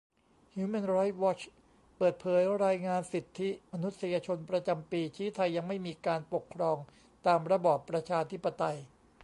ฮิวแมนไรท์วอทช์เปิดเผยรายงานสิทธิมนุษยชนประจำปี ชี้ไทยยังไม่มีการปกครองตามระบอบประชาธิปไตย